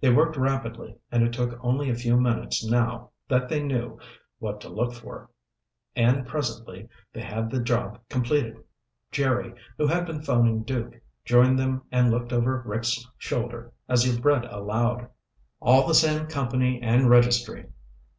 They worked rapidly and it took only a few minutes now that they knew what to look for, and presently they had the job completed. Jerry, who had been phoning Duke, joined them and looked over Rick's shoulder as he read aloud. "All the same company and registry.